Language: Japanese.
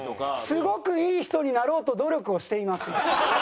すごくいい人になろうと努力をしています。